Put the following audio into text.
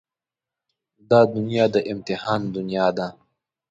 دا دنيا د امتحان دنيا ده.